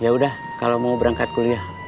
yaudah kalau mau berangkat kuliah